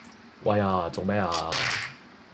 喂啊做咩啊